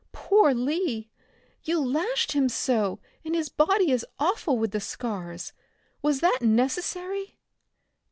Poor Lee. You lashed him so, and his body is awful with the scars. Was that necessary?"